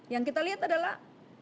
yang kita lihat adalah